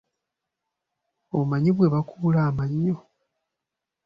Omanyi bwe bakuula amannyo?